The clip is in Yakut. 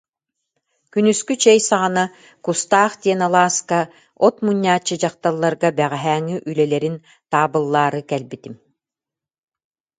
Күнүскү чэй саҕана Кустаах диэн алааска от мунньааччы дьахталларга бэҕэһээҥҥи үлэлэрин таабыллаары кэлбитим